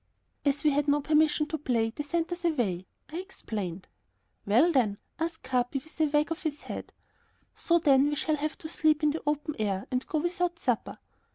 "As we had no permission to play, they sent us away," I explained. "Well, then?" asked Capi, with a wag of his head. "So then we shall have to sleep in the open air and go without supper."